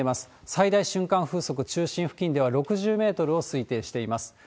最大瞬間風速、中心付近では６０メートルを推定しています。